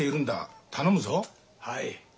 はい。